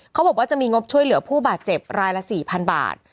เขาบอกว่าจะมีงบช่วยเหลือผู้บาดเจ็บรายละ๔๐๐๐บาท